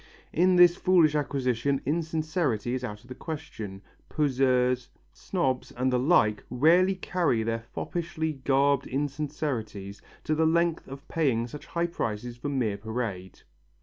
In this foolish acquisition insincerity is out of the question, poseurs, snobs and the like rarely carry their foppishly garbed insincerity to the length of paying such high prices for mere parade.